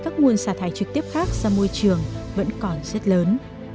các nguồn xả thải trực tiếp khác ra môi trường vẫn còn rất lớn